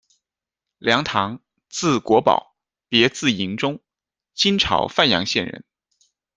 梁镗，字国宝，别字莹中，金朝范阳县人。